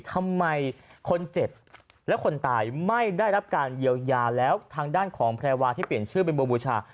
ทำไมคนเจ็บและคนตายไม่ได้รับการเยียวยาแล้วทางด้านของแพรวาที่เปลี่ยนชื่อเป็นบัวบูชา